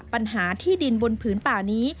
ปัญหาที่ดินบนผืนป่านี้